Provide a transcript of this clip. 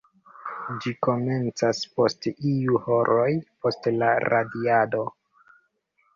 Ĝi komencas post iu horoj post la radiado.